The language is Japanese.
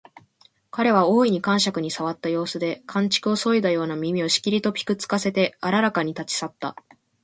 彼は大いに肝癪に障った様子で、寒竹をそいだような耳をしきりとぴく付かせてあららかに立ち去った